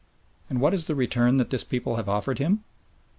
And what is the return that this people have offered him?